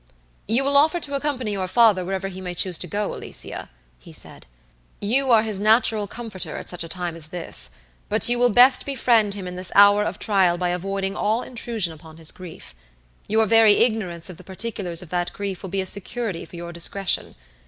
"You will offer to accompany your father wherever he may choose to go, Alicia," he said. "You are his natural comforter at such a time as this, but you will best befriend him in this hour of trial by avoiding all intrusion upon his grief. Your very ignorance of the particulars of that grief will be a security for your discretion.